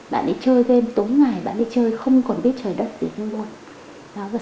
bạn ấy chơi game tốn ngày bạn ấy chơi không còn biết trời đất gì nữa